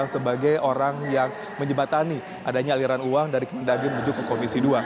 sebagai orang yang menjembatani adanya aliran uang dari kemendagri menuju ke komisi dua